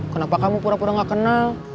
kenapa kamu pura pura gak kenal